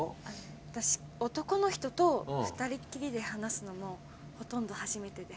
私男の人と２人っきりで話すのもほとんど初めてで。